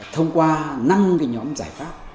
thông qua năm nhóm giải pháp